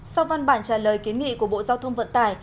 sau văn bản trả lời kiến nghị của bộ giao thông vận tải